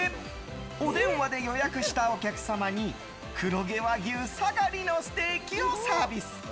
お電話で予約したお客様に黒毛和牛サガリのステーキをサービス！